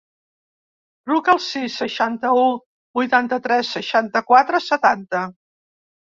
Truca al sis, seixanta-u, vuitanta-tres, seixanta-quatre, setanta.